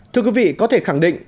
thưa quý vị có thể khẳng định